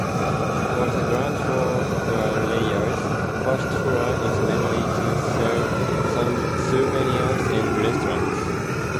For the ground floor layers, first floor is mainly to sell souvenirs and restaurants.